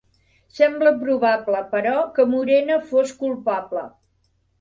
Sembla probable, però, que Murena fos culpable.